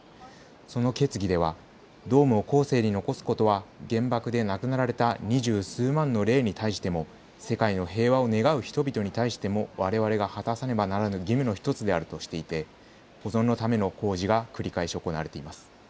その決議ではドームを後世に残すことは原爆で亡くなられた二十数万の霊に対しても世界の平和を願う人々に対してもわれわれが果たさねばならぬ義務の１つであるとしていて保存のための工事が繰り返し行われています。